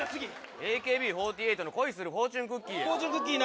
ＡＫＢ４８の恋するフォーチフォーチューンクッキーな。